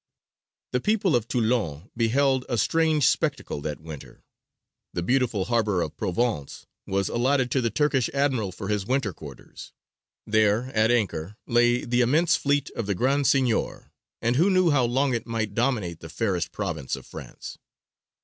The people of Toulon beheld a strange spectacle that winter. The beautiful harbour of Provence was allotted to the Turkish admiral for his winter quarters. There, at anchor, lay the immense fleet of the Grand Signior; and who knew how long it might dominate the fairest province of France?